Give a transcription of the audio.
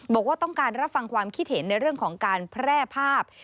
บอกว่าต้องการรับฟังความคิดเห็นในเรื่องของการแพร่ภาพ